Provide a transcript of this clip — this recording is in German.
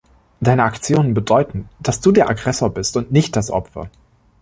Deine Aktionen bedeuten, dass du der Aggressor bist und nicht das Opfer.